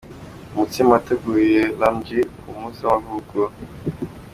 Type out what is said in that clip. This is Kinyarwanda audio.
Umutsima wateguriwe Lam G ku munsi we w'amavuko.